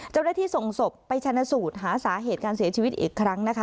เจ้าหน้าที่ส่งศพไปชนะสูตรหาสาเหตุการเสียชีวิตอีกครั้งนะคะ